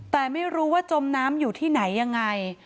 แต่ไม่รู้ว่าจมน้ำอยู่ที่ไหนยังไง